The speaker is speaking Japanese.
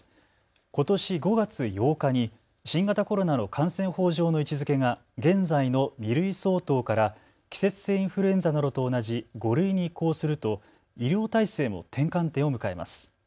ことし５月８日に新型コロナの感染法上の位置づけが現在の２類相当から季節性インフルエンザなどと同じ５類に移行すると医療体制も転換点を迎えます。